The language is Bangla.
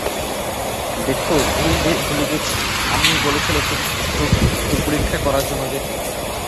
দেখো ভুলে গেছি, আম্মি বলেছিলো চোখ পরীক্ষা করার জন্য যেতে।